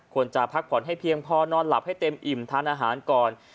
พักผ่อนให้เพียงพอนอนหลับให้เต็มอิ่มทานอาหารก่อน